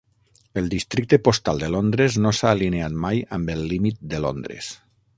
El districte postal de Londres no s'ha alineat mai amb el límit de Londres.